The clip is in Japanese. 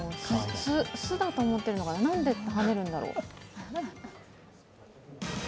巣だと思ってるのかな、なんではねるんだろう。